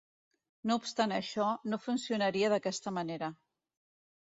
No obstant això, no funcionaria d'aquesta manera.